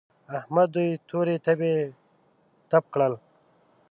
احمد دوی تورې تبې تپ کړل.